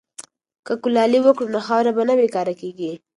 که کلالي وکړو نو خاوره نه بې کاره کیږي.